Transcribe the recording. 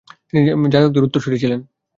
তিনি যাজকদের উত্তরসূরি ছিলেন।